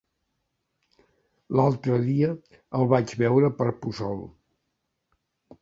L'altre dia el vaig veure per Puçol.